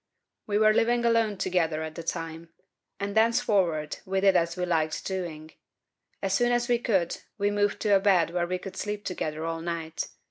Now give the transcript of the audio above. "We were living alone together at the time, and thenceforward we did as we liked doing. As soon as we could, we moved to a bed where we could sleep together all night.